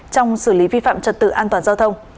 trong xử lý vi phạm trật tự an toàn giao thông